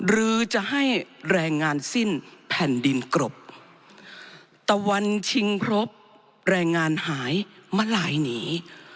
หรือจะให้แรงงานสิ้นแผ่นดินกรบตะวันชิงพรบแรงงานหายมาลายหนี